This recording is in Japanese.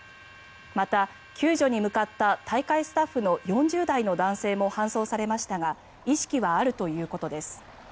また、救助に向かった大会スタッフの４０代の男性も搬送されましたが意識はあるということです。